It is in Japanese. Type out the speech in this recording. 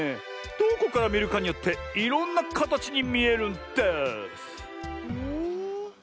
どこからみるかによっていろんなかたちにみえるんです。